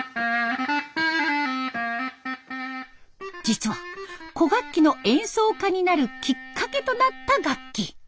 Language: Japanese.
実は古楽器の演奏家になるきっかけとなった楽器。